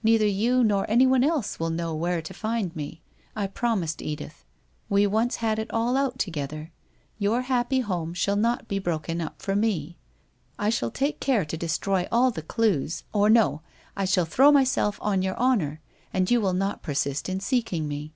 Neither you, nor anyone else will know where to find me. I promised Edith. We once had it all out to gether. Your happy home shall not be broken up for me. I shall take care to destroy all the clues, or no, I shall throw myself on your honour and you will not persist in seeking me.